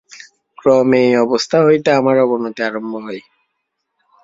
ক্রমে এই অবস্থা হইতে আবার অবনতি আরম্ভ হয়।